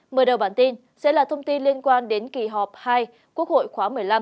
mở đầu bản tin sẽ là thông tin liên quan đến kỳ họp hai quốc hội khóa một mươi năm